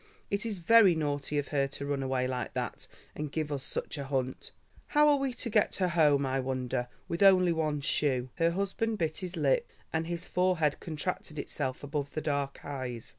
It is very naughty of her to run away like that and give us such a hunt. How are we to get her home, I wonder, with only one shoe." Her husband bit his lip, and his forehead contracted itself above the dark eyes.